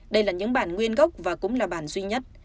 đây là những bản nguyên gốc và cũng là bản duy nhất